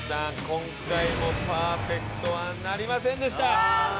今回もパーフェクトはなりませんでした。